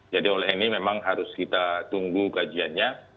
jadi oleh ini memang harus kita tunggu kajiannya